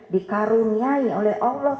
dikaruniai oleh allah